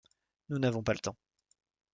Nous n’avons pas le temps.